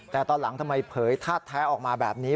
แต่ตอนหลังทำไมเผยธาตุแท้ออกมาแบบนี้